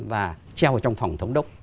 và treo vào trong phòng thống đốc